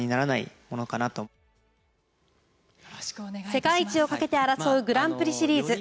世界一をかけて争うグランプリシリーズ。